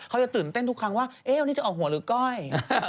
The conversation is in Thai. เขาจะตื่นเต้นทุกครั้งว่านี่จะออกหัวหรือก้อย